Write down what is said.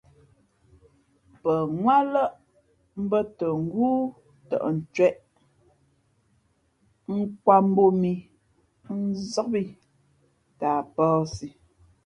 Pαŋwátlάʼ bᾱ tα ngóó tαʼ ncwēʼ, nkwāt mbōb mǐ, nzób ī tα a pᾱαsi.